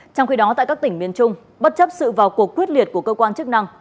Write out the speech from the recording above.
trong khi đó tại các tỉnh miền trung bất chấp sự vào cuộc quyết liệt của cơ quan chức năng